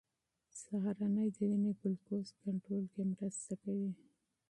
سهارنۍ د وینې ګلوکوز کنټرول کې مرسته کوي.